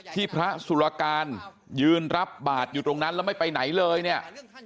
พระสุรการยืนรับบาทอยู่ตรงนั้นแล้วไม่ไปไหนเลยเนี่ย